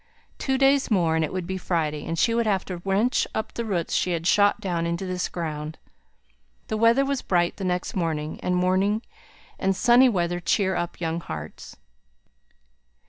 Two days more, and it would be Friday; and she would have to wrench up the roots she had shot down into this ground. The weather was bright the next morning; and morning and sunny weather cheer up young hearts.